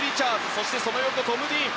そしてその横、トム・ディーン。